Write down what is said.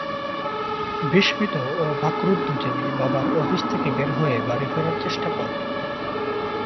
বিস্মিত ও ক্রুদ্ধ জেমি বাবার অফিস থেকে বের হয়ে বাড়ি ফেরার চেষ্টা করে।